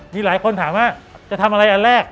มีหลายคนถามว่าจะทำอะไรอันแรก